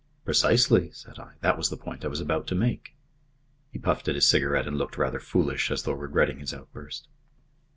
"Precisely," said I. "That was the point I was about to make." He puffed at his cigarette and looked rather foolish, as though regretting his outburst.